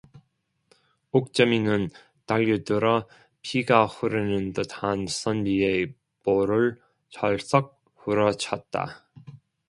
옥점이는 달려들어 피가 흐르는 듯한 선비의 볼을 철썩 후려쳤다.